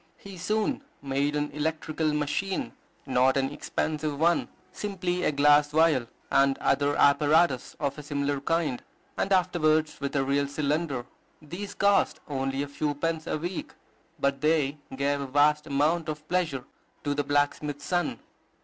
He soon made an electrical machine, not an expensive one, simply a glass vial, and other apparatus of a similar kind; and afterwards with a real cylinder. These cost only a few pence a week, but they gave a vast amount of pleasure to the blacksmith's son.